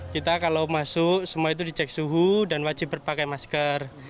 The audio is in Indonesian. kita kalau masuk semua itu dicek suhu dan wajib berpakai masker